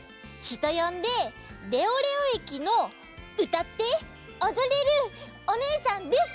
ひとよんで「レオレオえきのうたっておどれるおねえさん」です。